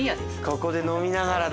ここで飲みながらだ。